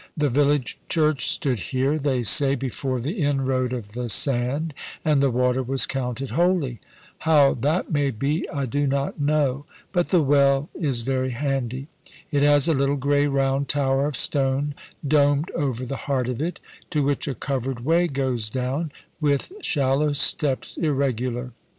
The village church stood here, they say, before the inroad of the sand; and the water was counted holy. How that may be, I do not know; but the well is very handy. It has a little grey round tower of stone domed over the heart of it, to which a covered way goes down, with shallow steps irregular.